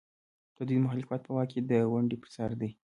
د دوی مخالفت په واک کې د ونډې پر سر دی.